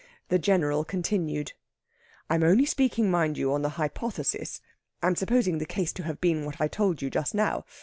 The General continued: "I'm only speaking, mind you, on the hypothesis.... I'm supposing the case to have been what I told you just now.